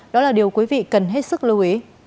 đó là điều quý vị cần hết sức lưu ý